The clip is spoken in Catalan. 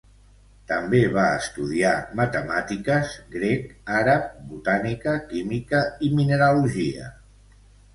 També va estudiar matemàtiques, grec, àrab, botànica, química i mineralogia.